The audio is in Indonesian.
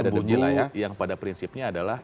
ada debu yang pada prinsipnya adalah